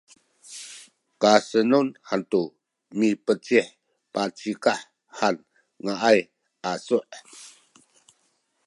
kasenun hantu mipecih pacikah han ngaay asu’